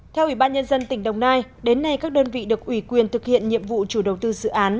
theo ủy ban nhân dân tỉnh đồng nai đến nay các đơn vị được ủy quyền thực hiện nhiệm vụ chủ đầu tư dự án